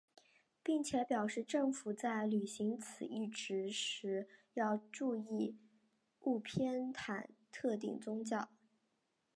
并且表示政府在履行此一职责时要注意勿偏袒特定宗教。